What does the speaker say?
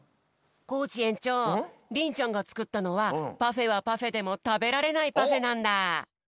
コージ園長りんちゃんがつくったのはパフェはパフェでもたべられないパフェなんだ。